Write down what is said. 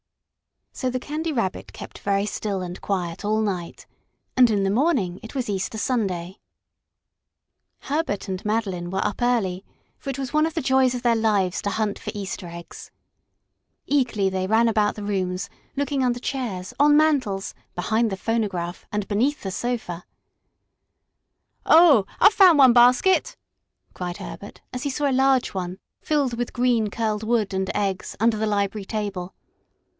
So the Candy Rabbit kept very still and quiet all night, and in the morning it was Easter Sunday. Herbert and Madeline were up early, for it was one of the joys of their lives to hunt for Easter eggs. Eagerly they ran about the rooms, looking under chairs, on mantels, behind the phonograph and beneath the sofa. "Oh, I've found one basket!" cried Herbert, as he saw a large one, filled with green curled wood and eggs, under the library table.